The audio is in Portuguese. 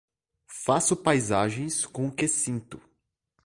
Faço paisagens com o que sinto.